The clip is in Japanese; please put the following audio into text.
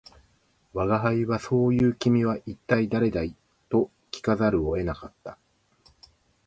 吾輩は「そう云う君は一体誰だい」と聞かざるを得なかった